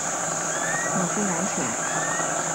纽芬兰犬。